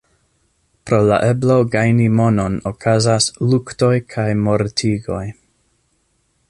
Pro la eblo gajni monon okazas luktoj kaj mortigoj.